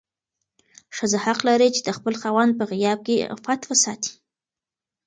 ښځه حق لري چې د خپل خاوند په غياب کې عفت وساتي.